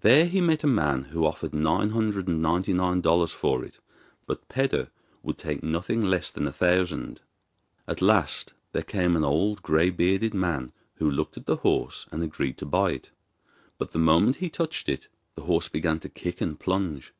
There he met a man who offered nine hundred and ninety nine dollars for it, but Peder would take nothing less than a thousand. At last there came an old, grey bearded man who looked at the horse and agreed to buy it; but the moment he touched it the horse began to kick and plunge.